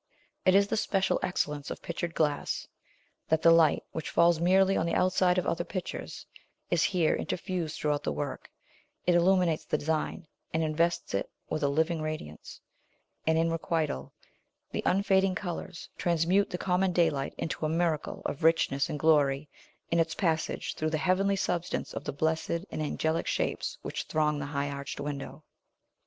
It is the special excellence of pictured glass, that the light, which falls merely on the outside of other pictures, is here interfused throughout the work; it illuminates the design, and invests it with a living radiance; and in requital the unfading colors transmute the common daylight into a miracle of richness and glory in its passage through the heavenly substance of the blessed and angelic shapes which throng the high arched window.